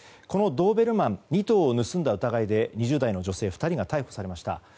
ドーベルマン２頭を盗んだ疑いで２０代の女性２人が逮捕されました。